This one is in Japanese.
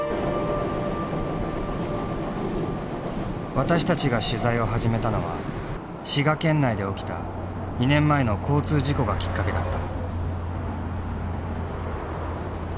私たちが取材を始めたのは滋賀県内で起きた２年前の交通事故がきっかけだった。